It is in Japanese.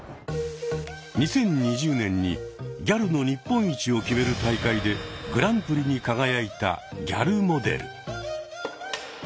２０２０年にギャルの日本一を決める大会でグランプリに輝いたギャルモデル。